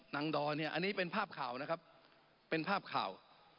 ดอนเนี่ยอันนี้เป็นภาพข่าวนะครับเป็นภาพข่าว